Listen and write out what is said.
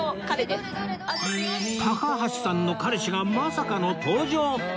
高橋さんの彼氏がまさかの登場！